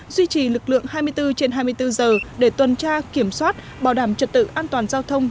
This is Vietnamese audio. duy trì lực lượng hai mươi bốn trên hai mươi bốn giờ để tuần tra kiểm soát bảo đảm trật tự an toàn giao thông